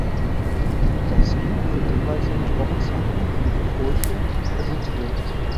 Das Buch wird jeweils in der Wochenzeitung "Die Furche" präsentiert.